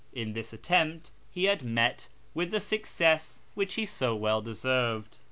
In this attempt he had met with the success which he so well deserved.